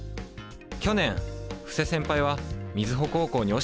去年布施先輩は瑞穂高校に惜しくも敗れた。